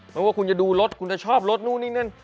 ไม่ว่าคุณจะดูรถคุณจะชอบรถนู่นนี่นั่น